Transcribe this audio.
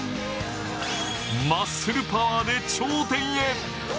マッスルパワーで頂点へ。